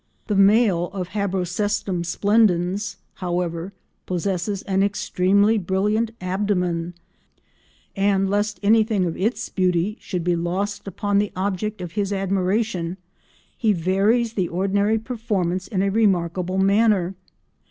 The male of Habrocestum splendens, however, possesses an extremely brilliant abdomen, and, lest anything of its beauty should be lost upon the object of his admiration, he varies the ordinary performance in a remarkable manner.